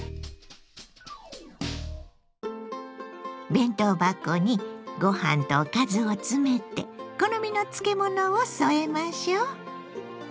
弁当箱にご飯とおかずを詰めて好みの漬物を添えましょう。